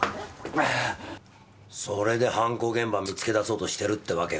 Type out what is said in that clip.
それで犯行現場見つけ出そうとしてるってわけか。